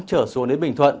trở xuống đến bình thuận